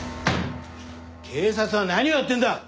警察は何をやってるんだ！